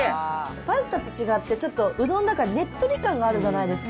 パスタと違って、ちょっとうどんだから、ねっとり感があるじゃないですか。